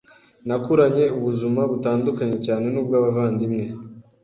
Nakuranye ubuzuma butandukanye cyane n’ubw’abavandimwe